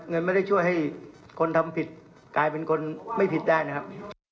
เงินไม่ได้ช่วยให้คนทำผิดกลายเป็นคนไม่ผิดได้นะครับ